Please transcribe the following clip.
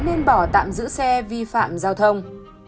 thêm bỏ tạm giữ xe vi phạm giao thông